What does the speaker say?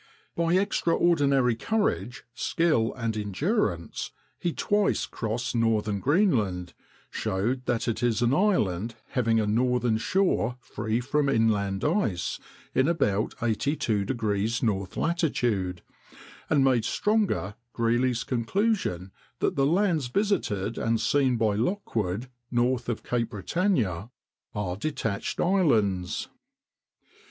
By extraordinary courage, skill, and endurance, he twice crossed northern Greenland, showed that it is an island having a northern shore free from inland ice in about 82° north latitude, and made stronger Greely's conclusion that the lands visited and seen by Lockwood, north of Cape Britannia, are detached islands.